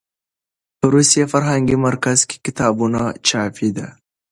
په روسي فرهنګي مرکز کې کتابونه چاپېدل.